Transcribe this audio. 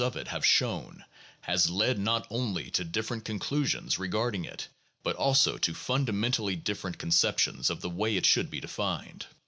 of it have shown, has led not only to different conclusions regard ing it, but also to fundamentally different conceptions of the way it should be defined.